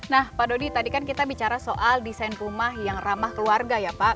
nah pak dodi tadi kan kita bicara soal desain rumah yang ramah keluarga ya pak